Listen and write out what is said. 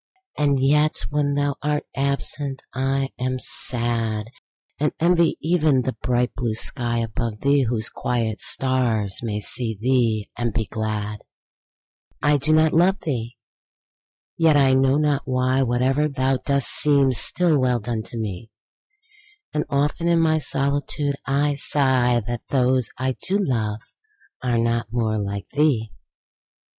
And yet when thou art absent I am sad; And envy even the bright blue sky above thee, Whose quiet stars may see thee and be glad. I do not love thee!—yet, I know not why, 5 Whate'er thou dost seems still well done, to me: And often in my solitude I sigh That those I do love are not more like thee!